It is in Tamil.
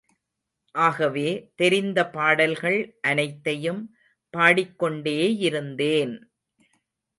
ஆகவே தெரிந்த பாடல்கள் அனைத்தையும் பாடிக்கொண்டேயிருந்தேன்.